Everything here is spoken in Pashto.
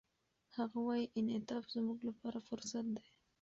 هغه وايي، انعطاف زموږ لپاره فرصت دی.